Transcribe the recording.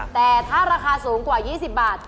แต่ถ้าราคาสูงกว่า๒๐บาท